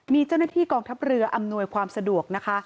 มีเจ้าหน้าที่กองทัพเรืออำนวยความสะดวกนะคะ